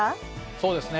そうですね。